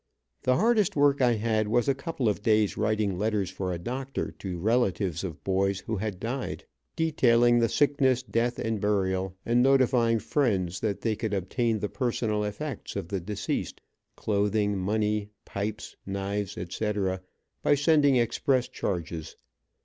The hardest work I had was a couple of days writing letters for a doctor, to relatives of boys who had died, detailing the sickness, death and burial, and notifying friends that they could obtain the personal effects of the deceased, clothing, money, pipes, knives, etc., by sending express charges.